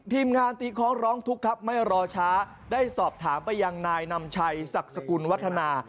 ทีมงานตีคล้องร้องทุกข์ครับไม่รอช้าได้สอบถามไปยังนายนำชัยศักดิ์สกุลวัฒนา